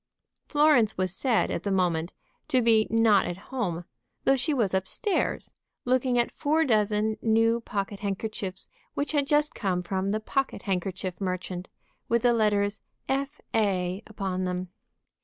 Florence was said, at the moment, to be not at home, though she was up stairs, looking at four dozen new pocket handkerchiefs which had just come from the pocket handkerchief merchant, with the letters F.A. upon them.